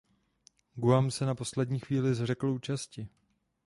Guam se na poslední chvíli zřekl účasti.